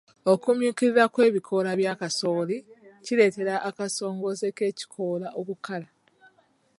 Okumyukirira kw'ebikoola bya kasooli kireetera akasongezo k'ekikoola okukala.